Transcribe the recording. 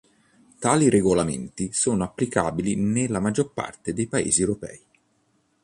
Tali regolamenti sono applicabili nella maggior parte dei paesi europei.